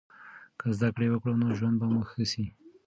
که زده کړه وکړو نو ژوند به مو ښه سي.